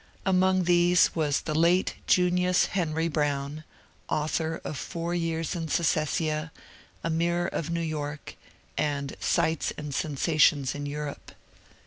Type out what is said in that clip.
Among these was the late Junius Henri Browne, author of " Four Years in Secessia," A Mirror of New York,' Sights and Sensations in Europe."